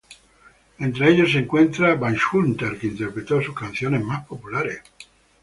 Entre ellos se encontraba Basshunter, que interpretó sus canciones más populares.